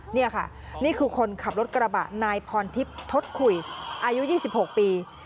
นี่ค่ะนี่คือคนขับรถกระบะนายพรทิพย์ทศคุยอายุ๒๖ปี